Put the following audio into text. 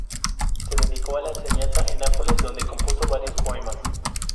Se dedicó a la enseñanza en Nápoles donde compuso varios poemas.